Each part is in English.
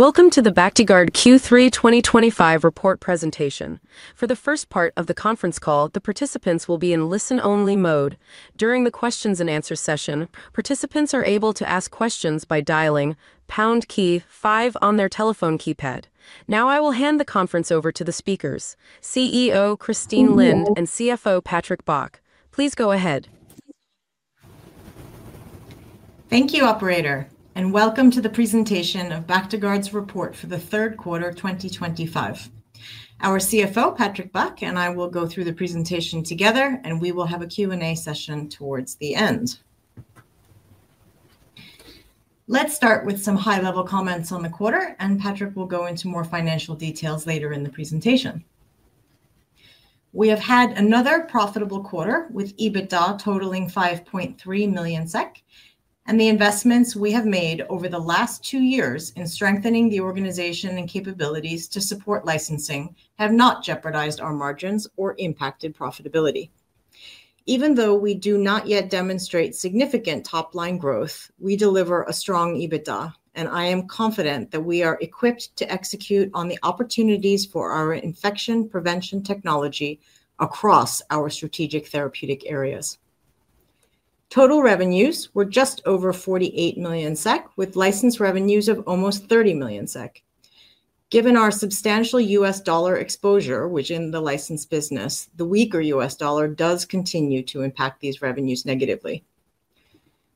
Welcome to the Bactiguard Q3 2025 report presentation. For the first part of the conference call, the participants will be in listen-only mode. During the questions and answers session, participants are able to ask questions by dialing five on their telephone keypad. Now, I will hand the conference over to the speakers: CEO Christine Lind and CFO Patrick Bach. Please go ahead. Thank you, operator, and welcome to the presentation of Bactiguard's report for the third quarter 2025. Our CFO, Patrick Bach, and I will go through the presentation together, and we will have a Q&A session towards the end. Let's start with some high-level comments on the quarter, and Patrick will go into more financial details later in the presentation. We have had another profitable quarter with EBITDA totaling 5.3 million SEK, and the investments we have made over the last two years in strengthening the organization and capabilities to support licensing have not jeopardized our margins or impacted profitability. Even though we do not yet demonstrate significant top-line growth, we deliver a strong EBITDA, and I am confident that we are equipped to execute on the opportunities for our infection prevention technology across our strategic therapeutic areas. Total revenues were just over 48 million SEK, with license revenues of almost 30 million SEK. Given our substantial U.S. dollar exposure within the license business, the weaker U.S. dollar does continue to impact these revenues negatively.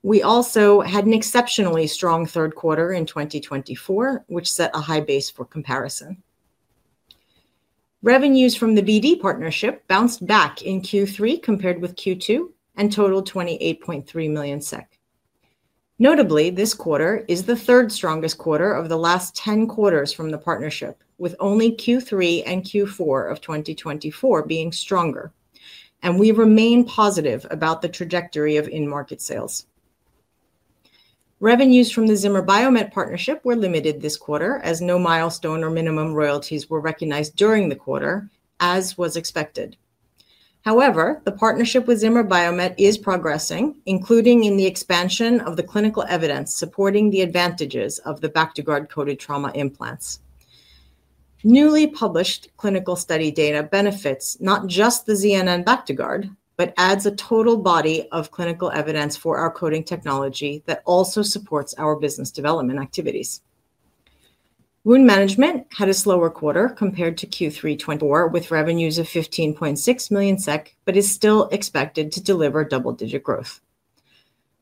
We also had an exceptionally strong third quarter in 2024, which set a high base for comparison. Revenues from the BD partnership bounced back in Q3 compared with Q2 and totaled 28.3 million SEK. Notably, this quarter is the third strongest quarter of the last 10 quarters from the partnership, with only Q3 and Q4 of 2024 being stronger, and we remain positive about the trajectory of in-market sales. Revenues from the Zimmer Biomet partnership were limited this quarter, as no milestone or minimum royalties were recognized during the quarter, as was expected. However, the partnership with Zimmer Biomet is progressing, including in the expansion of the clinical evidence supporting the advantages of the Bactiguard coated trauma implants. Newly published clinical study data benefits not just the ZNN Bactiguard, but adds a total body of clinical evidence for our coating technology that also supports our business development activities. Wound management had a slower quarter compared to Q3 2024, with revenues of 15.6 million SEK, but is still expected to deliver double-digit growth.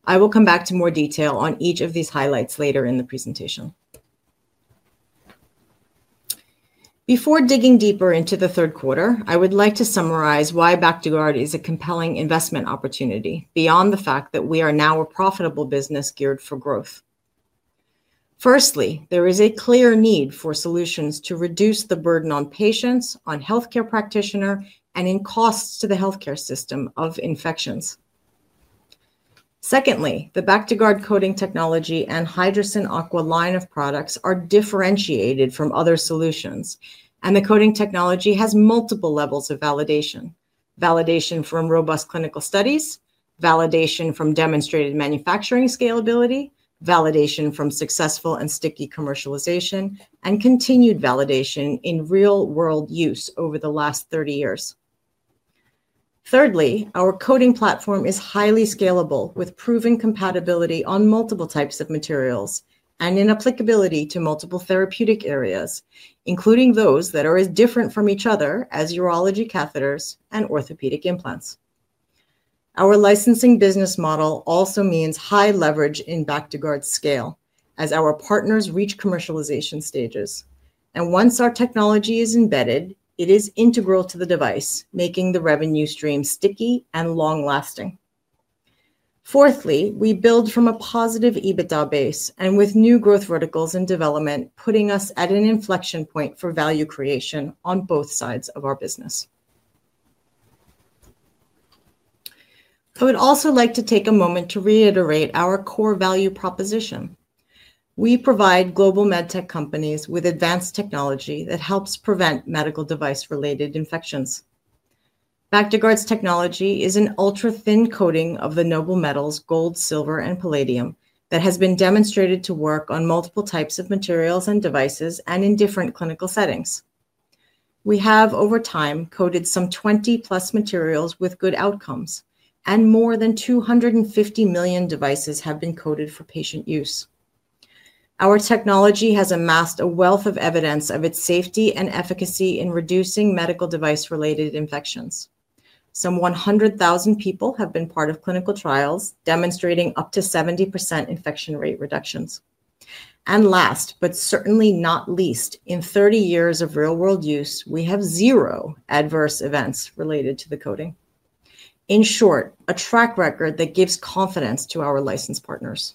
I will come back to more detail on each of these highlights later in the presentation. Before digging deeper into the third quarter, I would like to summarize why Bactiguard is a compelling investment opportunity beyond the fact that we are now a profitable business geared for growth. Firstly, there is a clear need for solutions to reduce the burden on patients, on healthcare practitioners, and in costs to the healthcare system of infections. Secondly, the Bactiguard coating technology and Hydrocyn Aqua line of products are differentiated from other solutions, and the coating technology has multiple levels of validation: validation from robust clinical studies, validation from demonstrated manufacturing scalability, validation from successful and sticky commercialization, and continued validation in real-world use over the last 30 years. Thirdly, our coating platform is highly scalable, with proven compatibility on multiple types of materials and in applicability to multiple therapeutic areas, including those that are as different from each other as urology catheters and orthopedic implants. Our licensing business model also means high leverage in Bactiguard's scale as our partners reach commercialization stages, and once our technology is embedded, it is integral to the device, making the revenue stream sticky and long-lasting. Fourthly, we build from a positive EBITDA base and with new growth verticals in development, putting us at an inflection point for value creation on both sides of our business. I would also like to take a moment to reiterate our core value proposition. We provide global medtech companies with advanced technology that helps prevent medical device-related infections. Bactiguard's technology is an ultra-thin coating of the noble metals gold, silver, and palladium that has been demonstrated to work on multiple types of materials and devices and in different clinical settings. We have, over time, coated some 20+ materials with good outcomes, and more than 250 million devices have been coated for patient use. Our technology has amassed a wealth of evidence of its safety and efficacy in reducing medical device-related infections. Some 100,000 people have been part of clinical trials demonstrating up to 70% infection rate reductions. Last, but certainly not least, in 30 years of real-world use, we have zero adverse events related to the coating. In short, a track record that gives confidence to our license partners.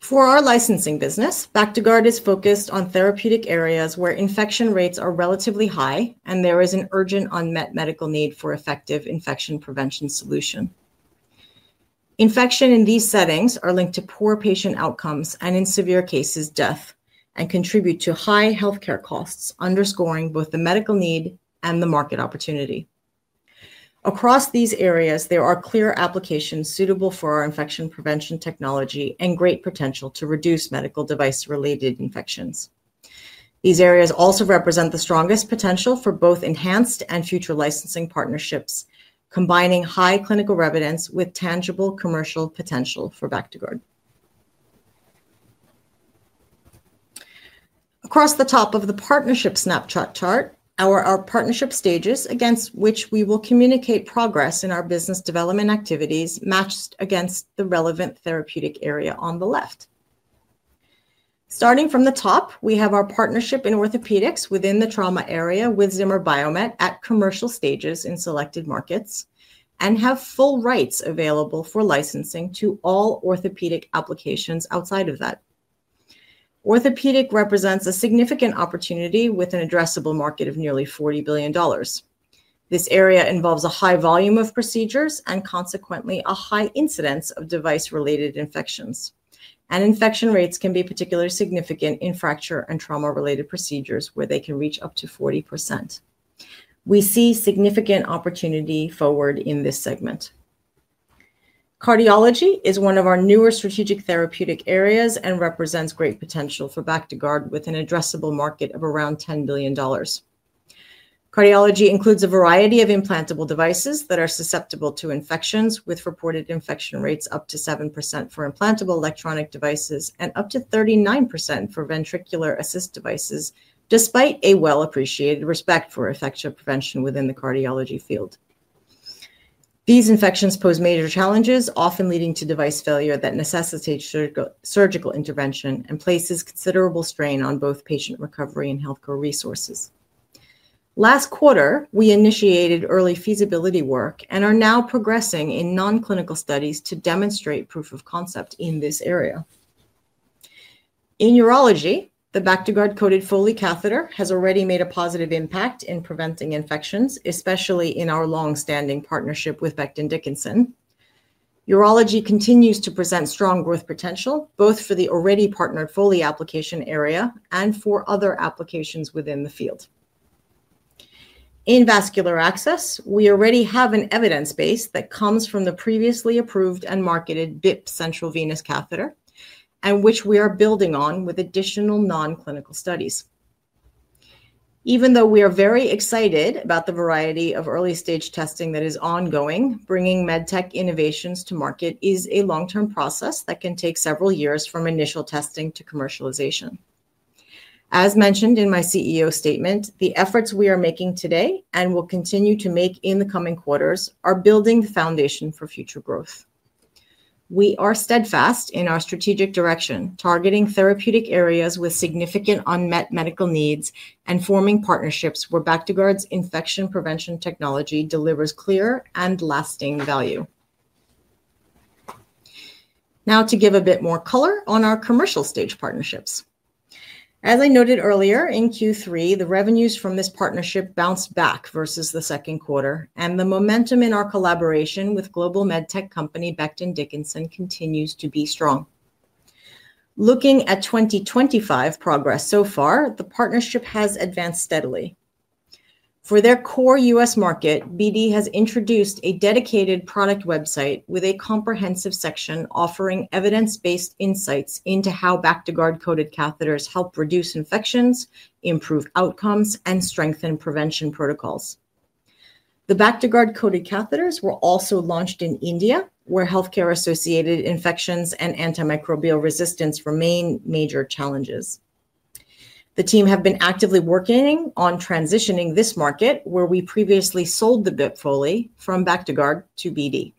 For our licensing business, Bactiguard is focused on therapeutic areas where infection rates are relatively high and there is an urgent unmet medical need for effective infection prevention solution. Infection in these settings is linked to poor patient outcomes and, in severe cases, death, and contributes to high healthcare costs, underscoring both the medical need and the market opportunity. Across these areas, there are clear applications suitable for our infection prevention technology and great potential to reduce medical device-related infections. These areas also represent the strongest potential for both enhanced and future licensing partnerships, combining high clinical evidence with tangible commercial potential for Bactiguard. Across the top of the partnership snapshot chart are our partnership stages against which we will communicate progress in our business development activities matched against the relevant therapeutic area on the left. Starting from the top, we have our partnership in orthopedics within the trauma area with Zimmer Biomet at commercial stages in selected markets and have full rights available for licensing to all orthopedic applications outside of that. Orthopedics represents a significant opportunity with an addressable market of nearly $40 billion. This area involves a high volume of procedures and, consequently, a high incidence of device-related infections, and infection rates can be particularly significant in fracture and trauma-related procedures where they can reach up to 40%. We see significant opportunity forward in this segment. Cardiology is one of our newer strategic therapeutic areas and represents great potential for Bactiguard with an addressable market of around $10 billion. Cardiology includes a variety of implantable devices that are susceptible to infections, with reported infection rates up to 7% for implantable electronic devices and up to 39% for ventricular assist devices, despite a well-appreciated respect for infection prevention within the cardiology field. These infections pose major challenges, often leading to device failure that necessitates surgical intervention and places considerable strain on both patient recovery and healthcare resources. Last quarter, we initiated early feasibility work and are now progressing in non-clinical studies to demonstrate proof of concept in this area. In urology, the Bactiguard coated Foley catheter has already made a positive impact in preventing infections, especially in our longstanding partnership with Becton Dickinson. Urology continues to present strong growth potential both for the already partnered Foley application area and for other applications within the field. In vascular access, we already have an evidence base that comes from the previously approved and marketed BIP central venous catheter, which we are building on with additional non-clinical studies. Even though we are very excited about the variety of early-stage testing that is ongoing, bringing medtech innovations to market is a long-term process that can take several years from initial testing to commercialization. As mentioned in my CEO statement, the efforts we are making today and will continue to make in the coming quarters are building the foundation for future growth. We are steadfast in our strategic direction, targeting therapeutic areas with significant unmet medical needs and forming partnerships where Bactiguard's infection prevention technology delivers clear and lasting value. Now, to give a bit more color on our commercial stage partnerships. As I noted earlier in Q3, the revenues from this partnership bounced back versus the second quarter, and the momentum in our collaboration with global medtech company BD continues to be strong. Looking at 2025 progress so far, the partnership has advanced steadily. For their core U.S. market, BD has introduced a dedicated product website with a comprehensive section offering evidence-based insights into how Bactiguard coated catheters help reduce infections, improve outcomes, and strengthen prevention protocols. The Bactiguard coated catheters were also launched in India, where healthcare-associated infections and antimicrobial resistance remain major challenges. The team has been actively working on transitioning this market where we previously sold the BIP Foley from Bactiguard to BD.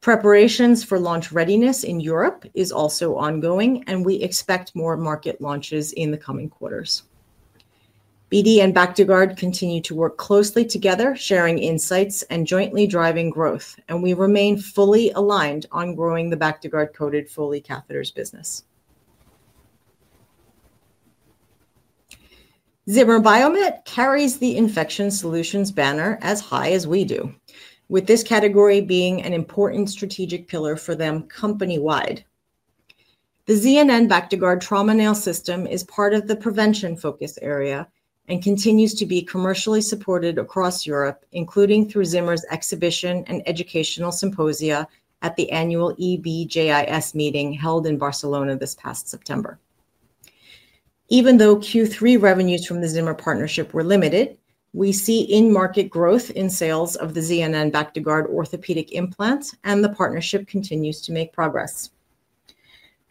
Preparations for launch readiness in Europe are also ongoing, and we expect more market launches in the coming quarters. BD and Bactiguard continue to work closely together, sharing insights and jointly driving growth, and we remain fully aligned on growing the Bactiguard coated Foley catheters business. Zimmer Biomet carries the infection solutions banner as high as we do, with this category being an important strategic pillar for them company-wide. The ZNN Bactiguard trauma nail system is part of the prevention focus area and continues to be commercially supported across Europe, including through Zimmer's exhibition and educational symposia at the annual EBJIS meeting held in Barcelona this past September. Even though Q3 revenues from the Zimmer partnership were limited, we see in-market growth in sales of the ZNN Bactiguard orthopedic implants, and the partnership continues to make progress.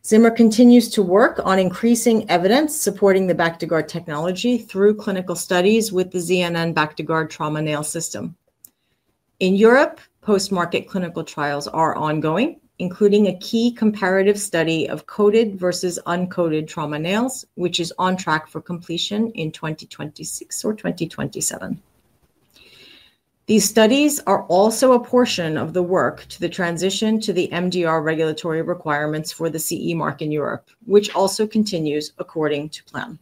Zimmer continues to work on increasing evidence supporting the Bactiguard technology through clinical studies with the ZNN Bactiguard trauma nail system. In Europe, post-market clinical trials are ongoing, including a key comparative study of coated versus uncoated trauma nails, which is on track for completion in 2026 or 2027. These studies are also a portion of the work to the transition to the MDR regulatory requirements for the CE mark in Europe, which also continues according to plan.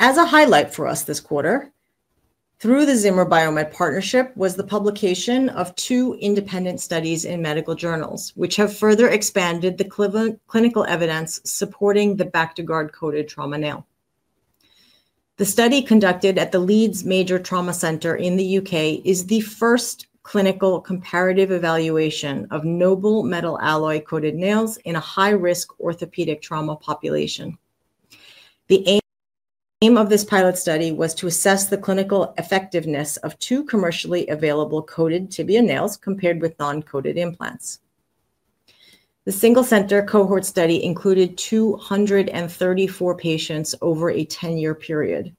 As a highlight for us this quarter, through the Zimmer Biomet partnership was the publication of two independent studies in medical journals, which have further expanded the clinical evidence supporting the Bactiguard coated trauma nail. The study conducted at the Leeds Major Trauma Center in the U.K. is the first clinical comparative evaluation of noble metal alloy coated nails in a high-risk orthopedic trauma population. The aim of this pilot study was to assess the clinical effectiveness of two commercially available coated tibia nails compared with non-coated implants. The single center cohort study included 234 patients over a 10-year period.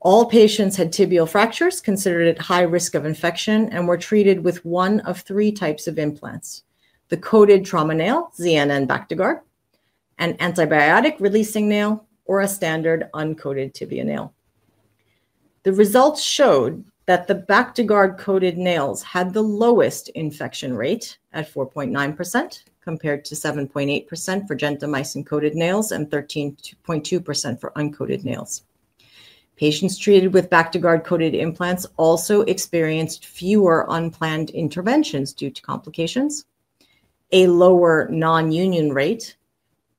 All patients had tibial fractures considered at high risk of infection and were treated with one of three types of implants: the coated trauma nail, ZNN Bactiguard, an antibiotic-releasing nail, or a standard uncoated tibia nail. The results showed that the Bactiguard coated nails had the lowest infection rate at 4.9% compared to 7.8% for gentamicin-coated nails and 13.2% for uncoated nails. Patients treated with Bactiguard coated implants also experienced fewer unplanned interventions due to complications, a lower nonunion rate,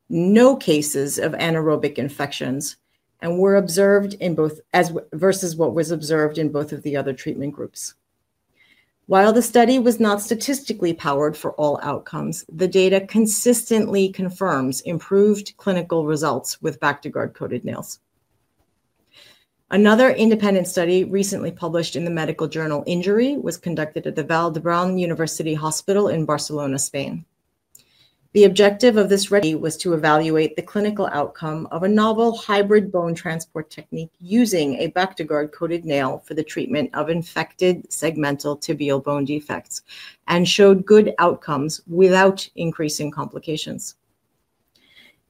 no cases of anaerobic infections, and were observed in both versus what was observed in both of the other treatment groups. While the study was not statistically powered for all outcomes, the data consistently confirms improved clinical results with Bactiguard coated nails. Another independent study recently published in the medical journal Injury was conducted at the Vall d'Hebron University Hospital in Barcelona, Spain. The objective of this study was to evaluate the clinical outcome of a novel hybrid bone transport technique using a Bactiguard coated nail for the treatment of infected segmental tibial bone defects and showed good outcomes without increasing complications.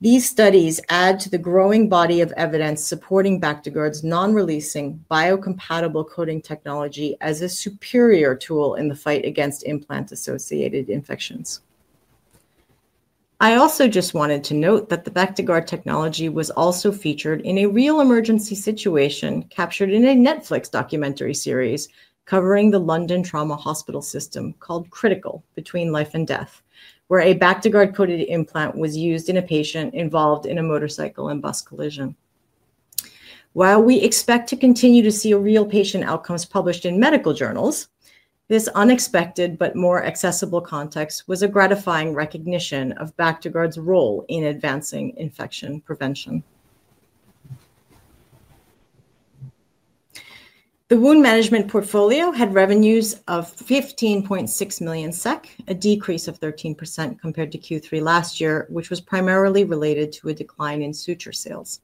These studies add to the growing body of evidence supporting Bactiguard's non-releasing biocompatible coating technology as a superior tool in the fight against implant-associated infections. I also just wanted to note that the Bactiguard technology was also featured in a real emergency situation captured in a Netflix documentary series covering the London trauma hospital system called Critical: Between Life and Death, where a Bactiguard coated implant was used in a patient involved in a motorcycle and bus collision. While we expect to continue to see real patient outcomes published in medical journals, this unexpected but more accessible context was a gratifying recognition of Bactiguard's role in advancing infection prevention. The wound management portfolio had revenues of 15.6 million SEK, a decrease of 13% compared to Q3 last year, which was primarily related to a decline in suture sales.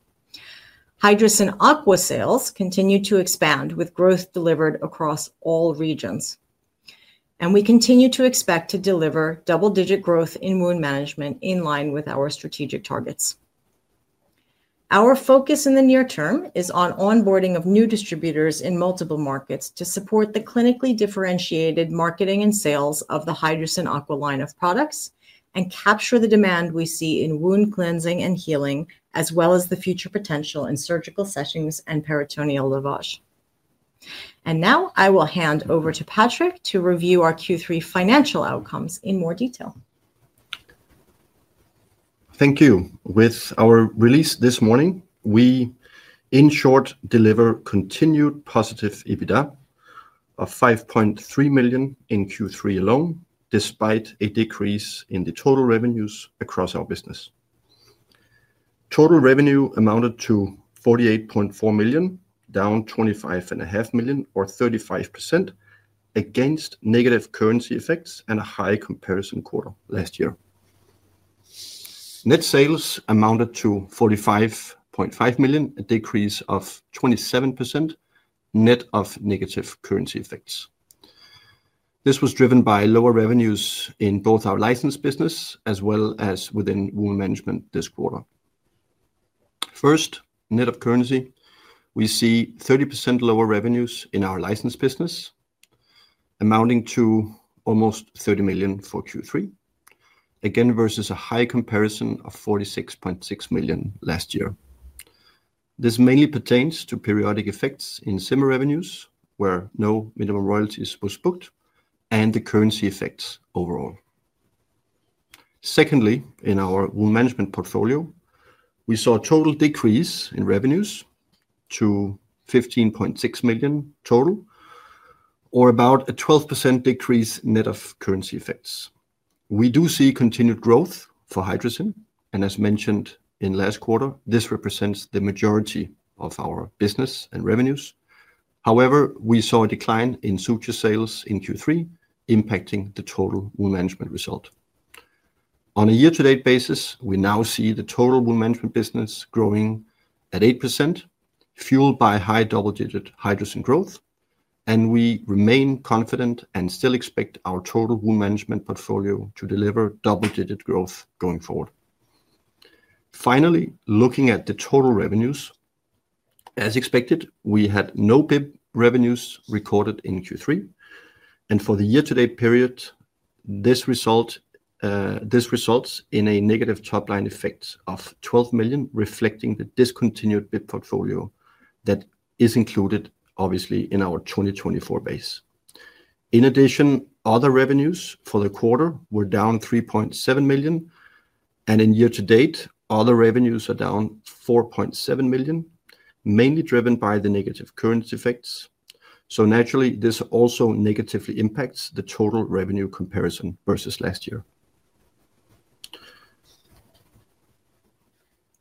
Hydrocyn Aqua sales continued to expand with growth delivered across all regions, and we continue to expect to deliver double-digit growth in wound management in line with our strategic targets. Our focus in the near term is on onboarding of new distributors in multiple markets to support the clinically differentiated marketing and sales of the Hydrocyn Aqua line of products and capture the demand we see in wound cleansing and healing, as well as the future potential in surgical sessions and peritoneal lavage. I will now hand over to Patrick to review our Q3 financial outcomes in more detail. Thank you. With our release this morning, we, in short, deliver continued positive EBITDA of 5.3 million in Q3 alone, despite a decrease in the total revenues across our business. Total revenue amounted to 48.4 million, down 25.5 million or 35% against negative currency effects and a high comparison quarter last year. Net sales amounted to 45.5 million, a decrease of 27% net of negative currency effects. This was driven by lower revenues in both our license business as well as within wound management this quarter. First, net of currency, we see 30% lower revenues in our license business, amounting to almost 30 million for Q3, again versus a high comparison of 46.6 million last year. This mainly pertains to periodic effects in Zimmer revenues, where no minimum royalties were booked, and the currency effects overall. Secondly, in our wound management portfolio, we saw a total decrease in revenues to 15.6 million total, or about a 12% decrease net of currency effects. We do see continued growth for Hydrocyn Aqua, and as mentioned in last quarter, this represents the majority of our business and revenues. However, we saw a decline in suture sales in Q3, impacting the total wound management result. On a year-to-date basis, we now see the total wound management business growing at 8%, fueled by high double-digit Hydrocyn Aqua growth, and we remain confident and still expect our total wound management portfolio to deliver double-digit growth going forward. Finally, looking at the total revenues, as expected, we had no BIP revenues recorded in Q3, and for the year-to-date period, this results in a negative top-line effect of 12 million, reflecting the discontinued BIP portfolio that is included, obviously, in our 2024 base. In addition, other revenues for the quarter were down 3.7 million, and in year-to-date, other revenues are down 4.7 million, mainly driven by the negative currency effects. Naturally, this also negatively impacts the total revenue comparison versus last year.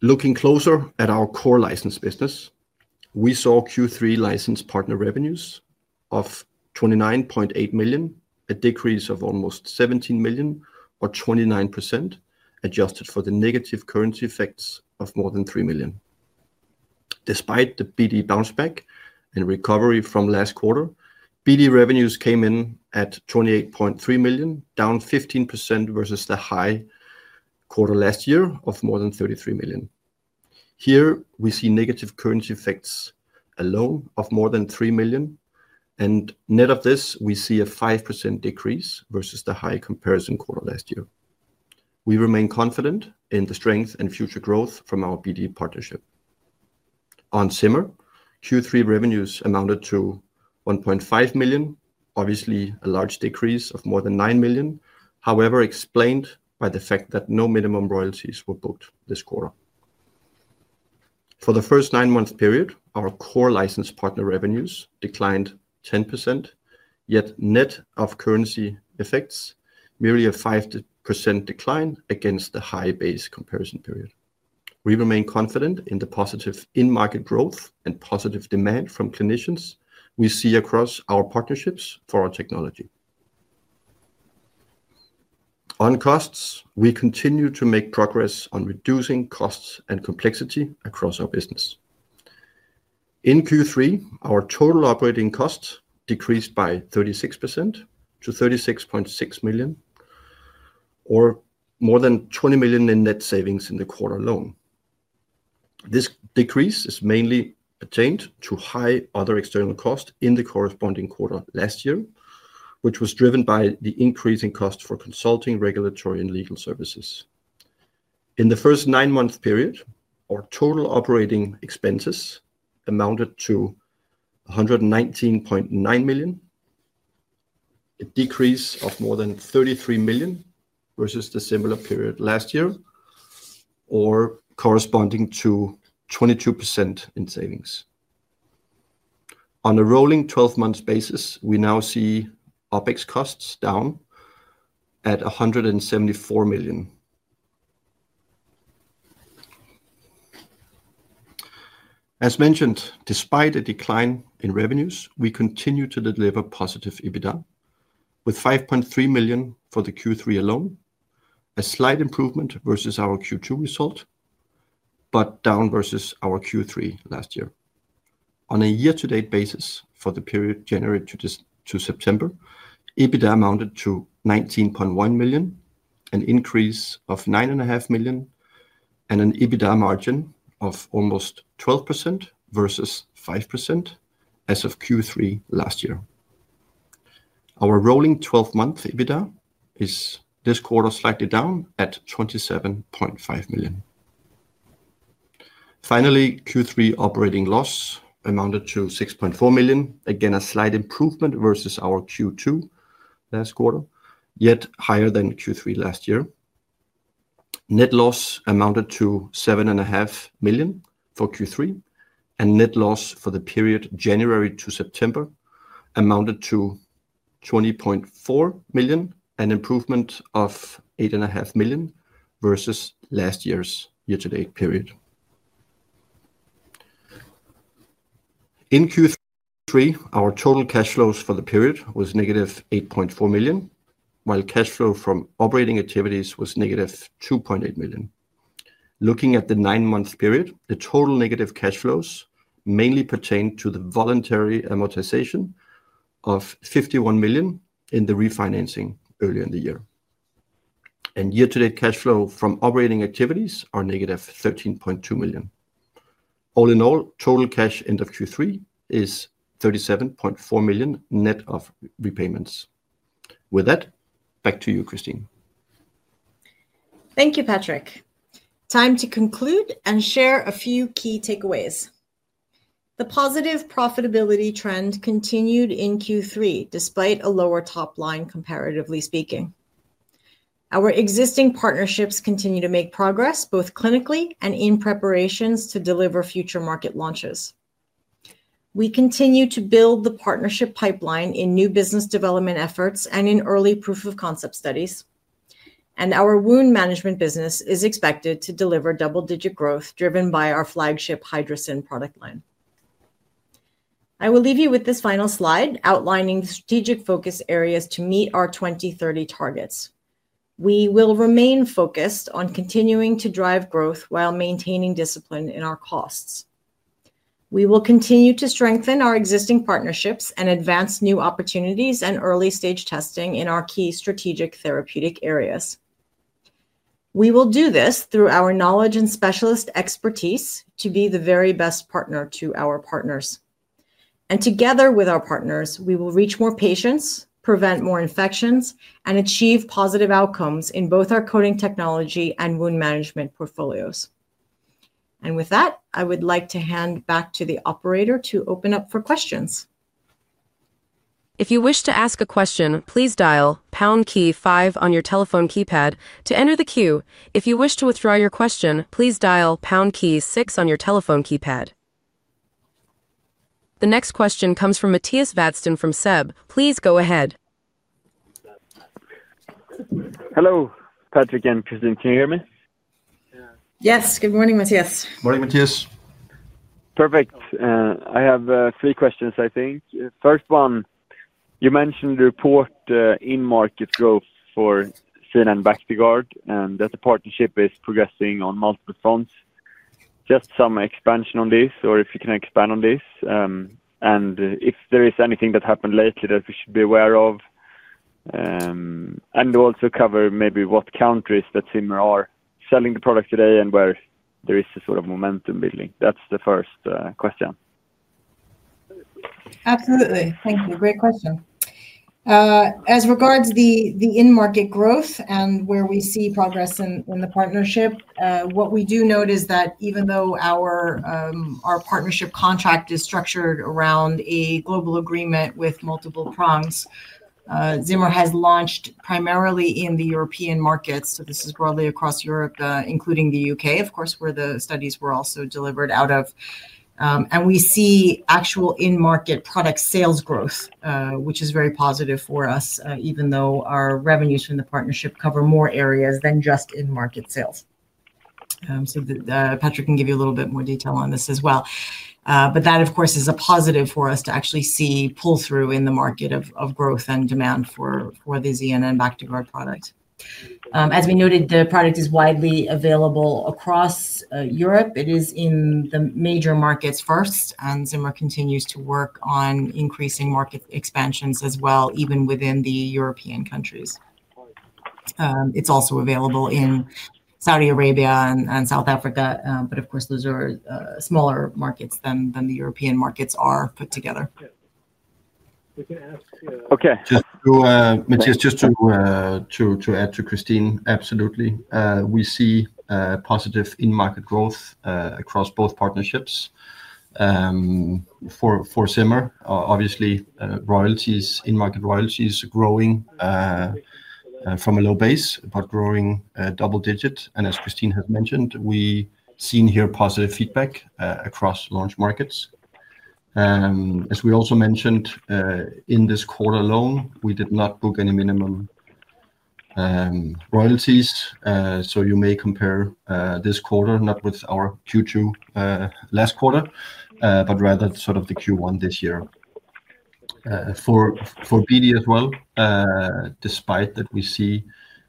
Looking closer at our core license business, we saw Q3 license partner revenues of 29.8 million, a decrease of almost 17 million or 29%, adjusted for the negative currency effects of more than 3 million. Despite the BD bounce back and recovery from last quarter, BD revenues came in at 28.3 million, down 15% versus the high quarter last year of more than 33 million. Here, we see negative currency effects alone of more than 3 million, and net of this, we see a 5% decrease versus the high comparison quarter last year. We remain confident in the strength and future growth from our BD partnership. On Zimmer, Q3 revenues amounted to 1.5 million, obviously a large decrease of more than 9 million, however, explained by the fact that no minimum royalties were booked this quarter. For the first nine-month period, our core license partner revenues declined 10%, yet net of currency effects merely a 5% decline against the high base comparison period. We remain confident in the positive in-market growth and positive demand from clinicians we see across our partnerships for our technology. On costs, we continue to make progress on reducing costs and complexity across our business. In Q3, our total operating cost decreased by 36% to 36.6 million, or more than 20 million in net savings in the quarter alone. This decrease is mainly attained to high other external costs in the corresponding quarter last year, which was driven by the increase in costs for consulting, regulatory, and legal services. In the first nine-month period, our total operating expenses amounted to 119.9 million, a decrease of more than 33 million versus the similar period last year, or corresponding to 22% in savings. On a rolling 12-month basis, we now see OpEx costs down at SEK 174 million. As mentioned, despite a decline in revenues, we continue to deliver positive EBITDA with 5.3 million for the Q3 alone, a slight improvement versus our Q2 result, but down versus our Q3 last year. On a year-to-date basis for the period January to September, EBITDA amounted to 19.1 million, an increase of 9.5 million, and an EBITDA margin of almost 12% versus 5% as of Q3 last year. Our rolling 12-month EBITDA is this quarter slightly down at 27.5 million. Finally, Q3 operating loss amounted to 6.4 million, again a slight improvement versus our Q2 last quarter, yet higher than Q3 last year. Net loss amounted to 7.5 million for Q3, and net loss for the period January to September amounted to 20.4 million, an improvement of 8.5 million versus last year's year-to-date period. In Q3, our total cash flows for the period were negative 8.4 million, while cash flow from operating activities was -2.8 million. Looking at the nine-month period, the total negative cash flows mainly pertained to the voluntary amortization of 51 million in the refinancing earlier in the year, and year-to-date cash flow from operating activities are -13.2 million. All in all, total cash end of Q3 is 37.4 million net of repayments. With that, back to you, Christine. Thank you, Patrick. Time to conclude and share a few key takeaways. The positive profitability trend continued in Q3 despite a lower top line, comparatively speaking. Our existing partnerships continue to make progress both clinically and in preparations to deliver future market launches. We continue to build the partnership pipeline in new business development efforts and in early proof of concept studies, and our wound management business is expected to deliver double-digit growth driven by our flagship Hydrocyn Aqua product line. I will leave you with this final slide outlining the strategic focus areas to meet our 2030 targets. We will remain focused on continuing to drive growth while maintaining discipline in our costs. We will continue to strengthen our existing partnerships and advance new opportunities and early-stage testing in our key strategic therapeutic areas. We will do this through our knowledge and specialist expertise to be the very best partner to our partners. Together with our partners, we will reach more patients, prevent more infections, and achieve positive outcomes in both our coating technology and wound management portfolios. With that, I would like to hand back to the operator to open up for questions. If you wish to ask a question, please dial pound key five on your telephone keypad to enter the queue. If you wish to withdraw your question, please dial pound key six on your telephone keypad. The next question comes from Mattias Vadsten from SEB. Please go ahead. Hello, Patrick and Christine, can you hear me? Yes, good morning, Mattias. Morning, Mattias. Perfect. I have three questions, I think. First one, you mentioned the report in-market growth for ZNN Bactiguard and that the partnership is progressing on multiple fronts. Just some expansion on this, or if you can expand on this, and if there is anything that happened lately that we should be aware of, and also cover maybe what countries that Zimmer are selling the product today and where there is a sort of momentum building. That's the first question. Absolutely. Thank you. Great question. As regards the in-market growth and where we see progress in the partnership, what we do note is that even though our partnership contract is structured around a global agreement with multiple prongs, Zimmer has launched primarily in the European markets. This is broadly across Europe, including the U.K., of course, where the studies were also delivered out of. We see actual in-market product sales growth, which is very positive for us, even though our revenues from the partnership cover more areas than just in-market sales. Patrick can give you a little bit more detail on this as well. That, of course, is a positive for us to actually see pull-through in the market of growth and demand for the ZNN Bactiguard trauma nail system product. As we noted, the product is widely available across Europe. It is in the major markets first, and Zimmer continues to work on increasing market expansions as well, even within the European countries. It is also available in Saudi Arabia and South Africa, but those are smaller markets than the European markets are put together. Okay. Just to add to Christine, absolutely, we see positive in-market growth across both partnerships. For Zimmer, obviously, in-market royalties are growing from a low base, but growing double-digit. As Christine has mentioned, we've seen here positive feedback across launch markets. As we also mentioned, in this quarter alone, we did not book any minimum royalties. You may compare this quarter not with our Q2 last year, but rather sort of the Q1 this year. For BD as well, despite that we see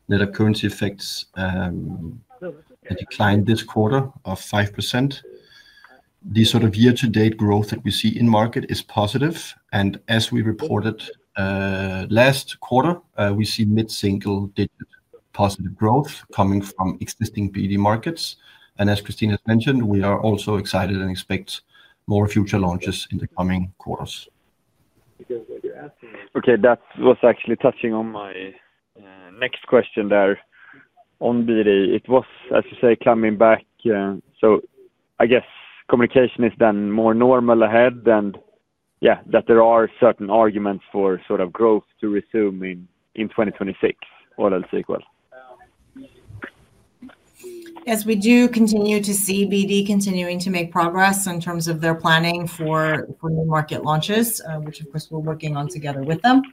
net of currency effects and a decline this quarter of 5%, the sort of year-to-date growth that we see in-market is positive. As we reported last quarter, we see mid-single-digit positive growth coming from existing BD markets. As Christine has mentioned, we are also excited and expect more future launches in the coming quarters. Okay. That was actually touching on my next question there on BD. It was, as you say, coming back. I guess communication is then more normal ahead and, yeah, that there are certain arguments for sort of growth to resume in 2026, all else equal. Yes, we do continue to see BD continuing to make progress in terms of their planning for new market launches, which, of course, we're working on together with them.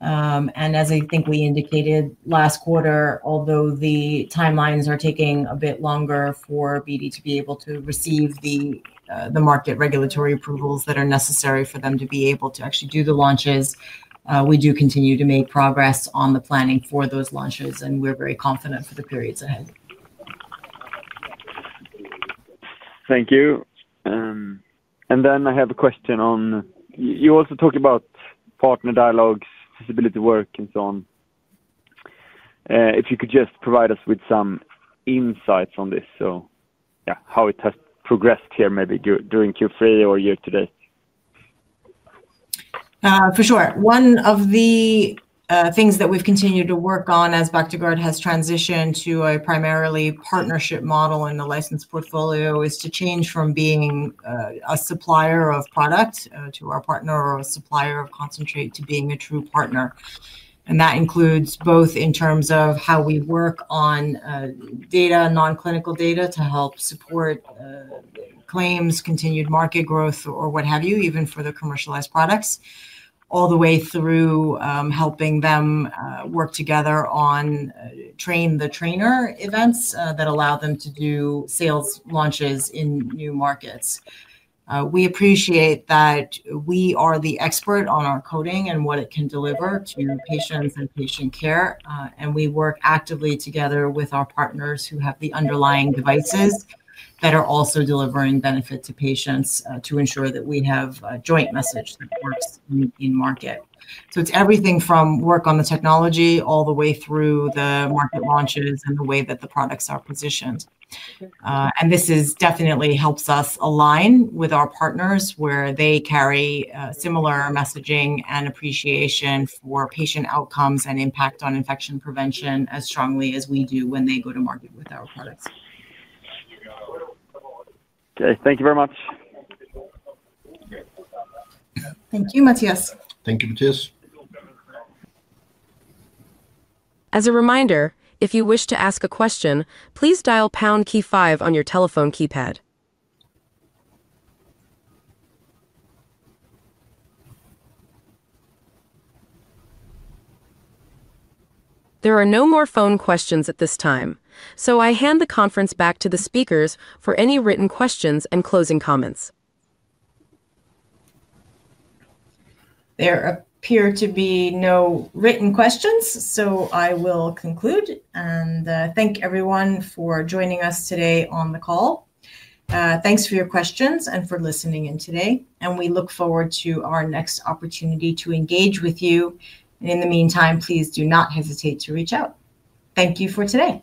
As I think we indicated last quarter, although the timelines are taking a bit longer for BD to be able to receive the market regulatory approvals that are necessary for them to be able to actually do the launches, we do continue to make progress on the planning for those launches, and we're very confident for the periods ahead. Thank you. I have a question on you also talk about partner dialogues, visibility work, and so on. If you could just provide us with some insights on this, how it has progressed here maybe during Q3 or year to date. For sure. One of the things that we've continued to work on as Bactiguard has transitioned to a primarily partnership model in the license portfolio is to change from being a supplier of product to our partner or a supplier of concentrate to being a true partner. That includes both in terms of how we work on data, non-clinical data to help support claims, continued market growth, or what have you, even for the commercialized products, all the way through helping them work together on train-the-trainer events that allow them to do sales launches in new markets. We appreciate that we are the expert on our coating and what it can deliver to patients and patient care, and we work actively together with our partners who have the underlying devices that are also delivering benefits to patients to ensure that we have a joint message that works in market. It's everything from work on the technology all the way through the market launches and the way that the products are positioned. This definitely helps us align with our partners where they carry similar messaging and appreciation for patient outcomes and impact on infection prevention as strongly as we do when they go to market with our products. Okay, thank you very much. Thank you, Mattias. Thank you, Mattias. As a reminder, if you wish to ask a question, please dial pound key five on your telephone keypad. There are no more phone questions at this time. I hand the conference back to the speakers for any written questions and closing comments. There appear to be no written questions, so I will conclude. Thank you everyone for joining us today on the call. Thanks for your questions and for listening in today. We look forward to our next opportunity to engage with you. In the meantime, please do not hesitate to reach out. Thank you for today.